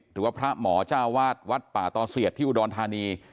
หรือว่าพระหมอเจ้าวาดวัดป่าตอเสียดที่อุดรธานี